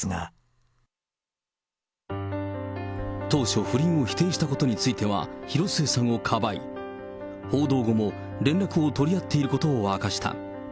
当初、不倫を否定したことについては、広末さんをかばい、報道後も連絡を取り合っていることを明かした。